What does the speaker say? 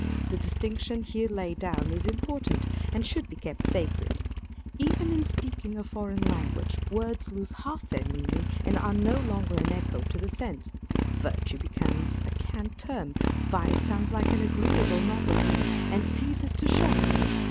The distinction here laid down is important, and should be kept sacred. Even in speaking a foreign language, words lose half their meaning, and are no longer an echo to the sense ; virtue becomes a cant term, vice sounds like an agreeable novelty, and ceases to shock.